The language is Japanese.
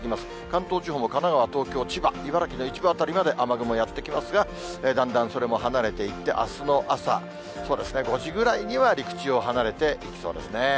関東地方も神奈川、東京、千葉、茨城の一部辺りまで雨雲やって来ますが、だんだんそれも離れていって、あすの朝、そうですね、５時ぐらいには陸地を離れていきそうですね。